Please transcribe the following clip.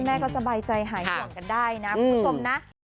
แม่ก็สบายใจหายห่วงกันได้นะคุณผู้ชมนะ